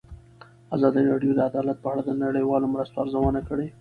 ازادي راډیو د عدالت په اړه د نړیوالو مرستو ارزونه کړې.